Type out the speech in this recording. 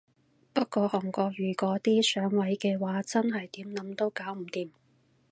不過韓國瑜嗰啲上位嘅話真係點諗都搞唔掂